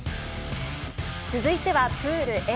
続いてはプールＡ。